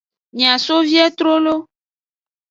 Mia so vie trolo.